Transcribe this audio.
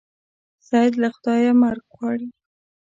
سید له خدایه مرګ غواړي.